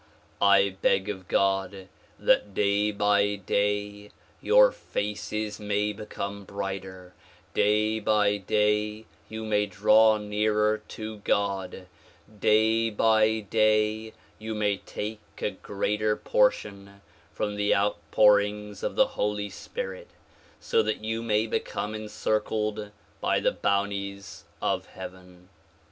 I beg of God that day by day your faces may become brighter ; day by day you may draw nearer to God ; day by day you may take a greater portion from the outpourings of the Holy Spirit so that you may become encircled by the bounties of heaven.